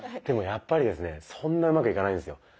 でもやっぱりですねそんなうまくいかないんですよ。